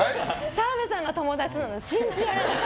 澤部さんが友達なの信じられない。